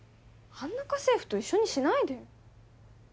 あんな家政婦と一緒にしないでよ。